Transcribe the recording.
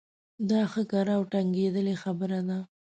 دا ښه کره او ټنګېدلې خبره ده.